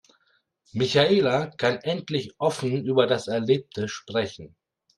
Michaela kann endlich offen über das Erlebte sprechen.